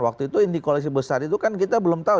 waktu itu inti koalisi besar itu kan kita belum tahu